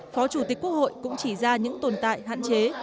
phó chủ tịch quốc hội cũng chỉ ra những tồn tại hạn chế